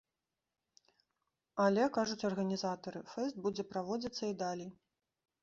Але, кажуць арганізатары, фэст будзе праводзіцца і далей.